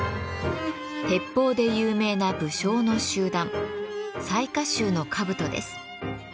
鉄砲で有名な武将の集団雑賀衆の兜です。